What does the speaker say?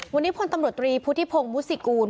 วันนี้พลตำรวจตรีภูติพงศ์มูศิกรูล